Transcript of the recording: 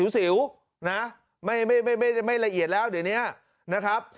สิวนะไม่ละเอียดแล้วเดี๋ยวนี้นะครับ